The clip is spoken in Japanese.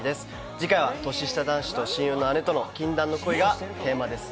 次回は年下男子と親友の姉との禁断の恋がテーマです。